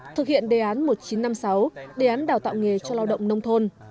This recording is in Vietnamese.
thực hiện đề án một nghìn chín trăm năm mươi sáu đề án đào tạo nghề cho lao động nông thôn